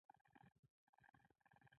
کولال هغه کس دی چې خټین لوښي جوړوي